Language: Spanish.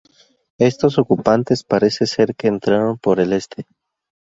Estos ocupantes parece ser que entraron por el este.